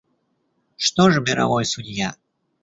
Что ж мировой судья?